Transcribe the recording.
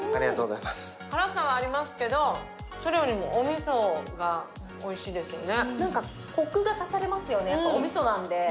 辛さはありますけど、それよりもおみそがおいしいですね。